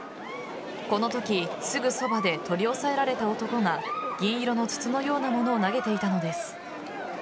このときすぐそばで取り押さえられた男が銀色の筒のような物を投げていたのです。